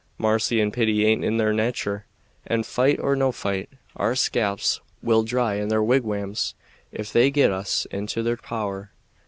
Marcy and pity aint in their natur, and, fight or no fight, our scalps will dry in their wigwams if they get us into their power.